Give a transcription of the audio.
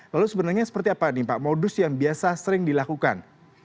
lalu sebenarnya seperti apa nih pak modus yang biasa sering dilakukan